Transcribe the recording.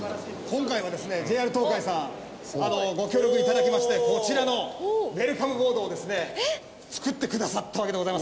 今回はですねＪＲ東海さんご協力いただきましてこちらのウェルカムボードをですね作ってくださったわけでございますね。